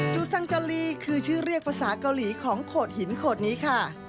ูซังจาลีคือชื่อเรียกภาษาเกาหลีของโขดหินโขดนี้ค่ะ